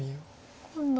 今度は。